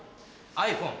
ｉＰｈｏｎｅ。